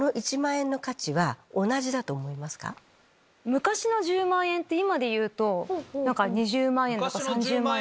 昔の１０万円って今でいうと２０万円３０万円。